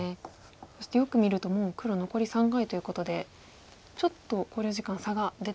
そしてよく見るともう黒残り３回ということでちょっと考慮時間差が出てきています。